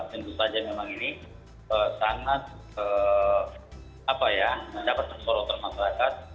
tentu saja memang ini sangat mendapat sorotan masyarakat